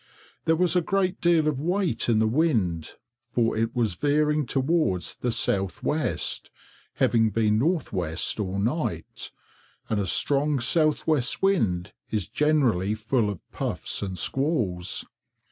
There was a great deal of weight in the wind, for it was veering towards the south west, having been north west all night, and a strong south west wind is generally full of puffs and squalls.